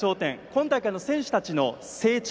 今大会、選手たちの成長